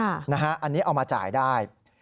อันนี้เอามาจ่ายได้